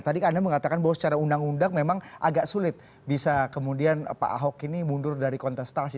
tadi anda mengatakan bahwa secara undang undang memang agak sulit bisa kemudian pak ahok ini mundur dari kontestasi